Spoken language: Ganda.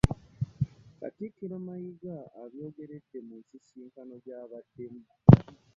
Katikkiro Mayiga abyogeredde mu nsisinkano gy'abaddemu